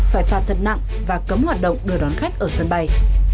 phải phạt thật nặng và cấm hoạt động đưa đón khách ở sân bay